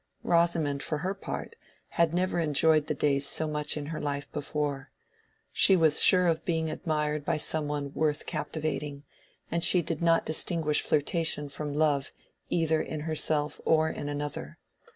Rosamond, for her part, had never enjoyed the days so much in her life before: she was sure of being admired by some one worth captivating, and she did not distinguish flirtation from love, either in herself or in another.